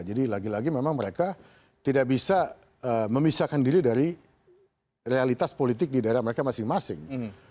jadi lagi lagi memang mereka tidak bisa memisahkan diri dari realitas politik di daerah mereka masing masing